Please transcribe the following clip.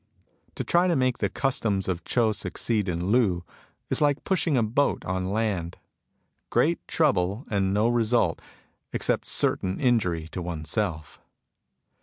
To try to make the customs of Chou succeed in Lu, is like pushing a boat on land : great trouble and no result, except certain injury to oneself.